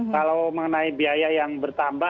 kalau mengenai biaya yang bertambah